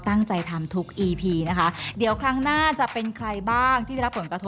วันนี้คุณพูดว่าค